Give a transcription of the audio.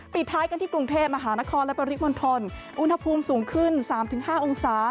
ปิดท้ายกันที่กรุงเทพมหานครและปริมณฑลอุณหภูมิสูงขึ้น๓๕องศา